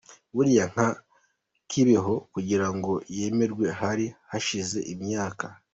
Buriya nka Kibeho kugira ngo yemerwe hari hashize imyaka.